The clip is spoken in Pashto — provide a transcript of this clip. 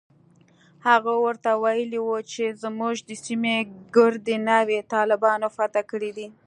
هغه ورته ويلي و چې زموږ د سيمې ګردې ناوې طالبانو فتح کړي دي.